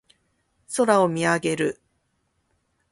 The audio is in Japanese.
空を見上げる。